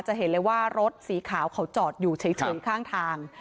จะเห็นเลยว่ารถสีขาวเขาจอดอยู่เฉยข้างทาง